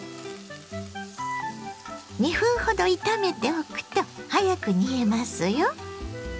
２分ほど炒めておくと早く煮えますよ。